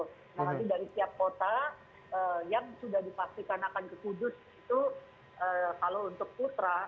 nah nanti dari setiap kota yang sudah dipastikan akan kekudus itu kalau untuk putra